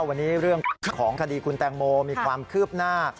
วันนี้เรื่องของคดีคุณแตงโมมีความคืบหน้า